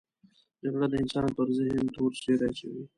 جګړه د انسان پر ذهن تور سیوری اچوي